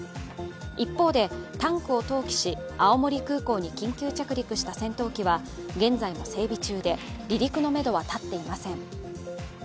一方でタンクを投棄し青森空港に緊急着陸した戦闘機は現在も整備中で、離陸のめどは立っていません。